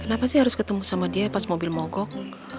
kenapa sih harus ketemu sama dia pas mobil mogok